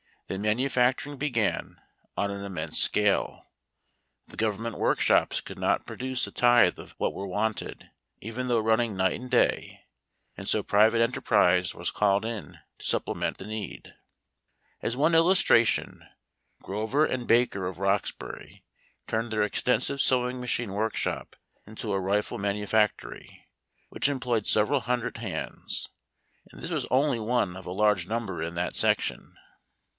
Then manufacturing began on an immense scale. The government workshops could not pro duce a tithe of what were wanted, even though running night and day; and so private enterprise was called in to supplement the need. As one illustration, Grover & Baker of Roxbury turned their extensive sewing machine work shop into a rifle manufactory, which employed several hundred hands, and this was only one of a large number in that section.